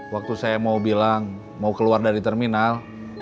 waktu saya mau bilang mau keluar dari terminal